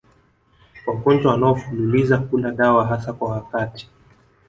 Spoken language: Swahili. Wagonjwa wanaofululiza kula dawa hasa kwa wakati